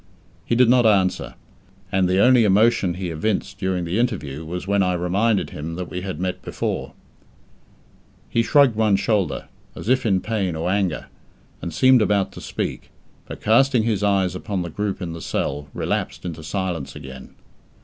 He did not answer, and the only emotion he evinced during the interview was when I reminded him that we had met before. He shrugged one shoulder, as if in pain or anger, and seemed about to speak, but, casting his eyes upon the group in the cell, relapsed into silence again.